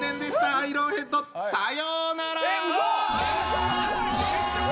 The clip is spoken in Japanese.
アイロンヘッドさようなら！